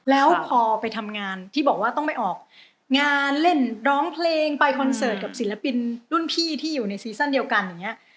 แล้วพอไปทำงานที่บอกว่าต้องไปออกงานเล่นร้องเพลงไปคอนเสิร์ตกับศิลปินรุ่นพี่ที่อยู่ในซีซั่นเดียวกันอย่างนี้